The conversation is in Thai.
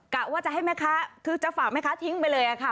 กะว่าจะให้แม่ค้าคือจะฝากแม่ค้าทิ้งไปเลยค่ะ